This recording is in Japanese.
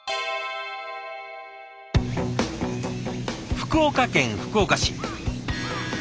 福岡県福岡市。